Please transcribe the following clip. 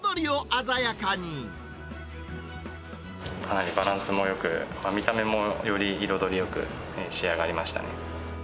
かなりバランスもよく、見た目もより彩りよく仕上がりましたね。